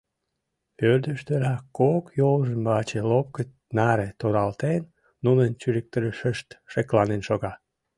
Ӧрдыжтырак, кок йолжым ваче лопкыт наре торалтен, нунын «чуриктарышышт» шекланен шога.